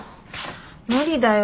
無理だよ。